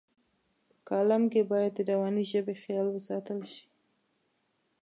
په کالم کې باید د روانې ژبې خیال وساتل شي.